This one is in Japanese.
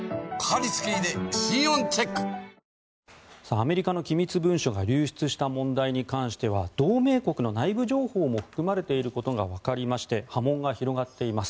アメリカの機密文書が流出した問題に関しては同盟国の内部情報も含まれていることがわかりまして波紋が広がっています。